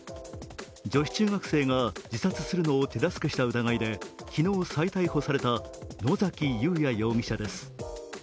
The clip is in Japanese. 女子中学生が自殺するのを手助けした疑いで昨日、再逮捕された野崎祐也容疑者です。